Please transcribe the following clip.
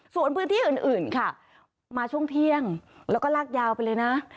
ส่วนพื้นที่อื่นค่ะมาช่วงเที่ยงแล้วก็ลากยาวไปเลยนะ